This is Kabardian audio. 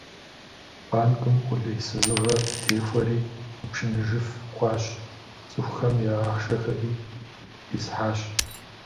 Банкым къулейсызыгъэ къытехуэри мыпшынэжыф хъуащ, цӏыхухэм я ахъшэхэри хисхьащ.